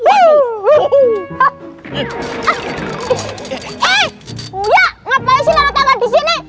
eh uya ngapain sih lo tawa di sini